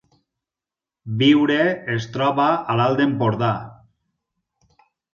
Biure es troba a l’Alt Empordà